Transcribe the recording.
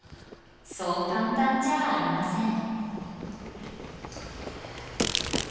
そう簡単じゃあありません。